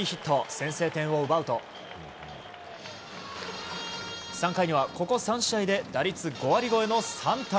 先制点を奪うと３回には、ここ３試合で打率５割超えのサンタナ。